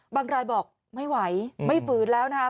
บางรายบอกไม่ไหวไม่ฝืนแล้วนะครับ